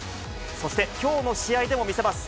そして、きょうの試合でも見せます。